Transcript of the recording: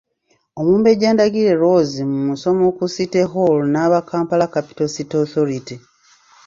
Omumbejja Ndagire Rose mu musomo ku City Hall n'aba Kampala Capital City Authority.